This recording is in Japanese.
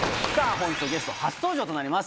本日のゲスト初登場となります。